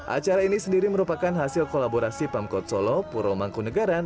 acara ini sendiri merupakan hasil kolaborasi pemkot solo puromangkunegaraan